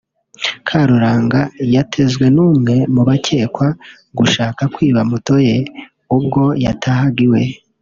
Karuranga yatezwe n’umwe mu bakekwa gushaka kwiba moto ye ubwo yatahaga iwe